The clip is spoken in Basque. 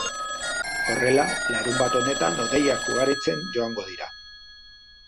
Horrela, larunbat honetan hodeiak ugaritzen joango dira.